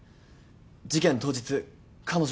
事件当日彼女は。